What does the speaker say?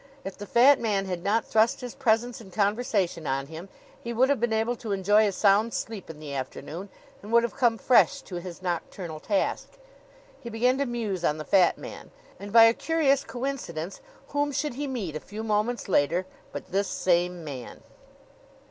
If the fat man had not thrust his presence and conversation on him he would have been able to enjoy a sound sleep in the afternoon, and would have come fresh to his nocturnal task. He began to muse on the fat man. And by a curious coincidence whom should he meet a few moments later but this same man!